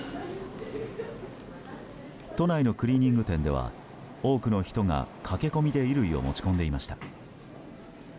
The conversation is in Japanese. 都内のクリーニング店では多くの人が駆け込みで衣類を持ち込んでいました。